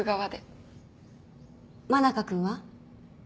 真中君は？